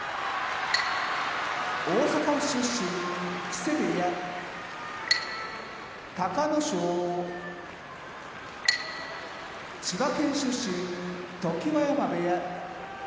大阪府出身木瀬部屋隆の勝千葉県出身常盤山部屋